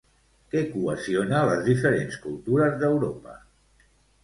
Què cohesiona les diferents cultures d'Europa?